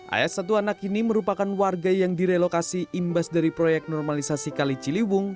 ayah satu anak ini merupakan warga yang direlokasi imbas dari proyek normalisasi kaliciliwung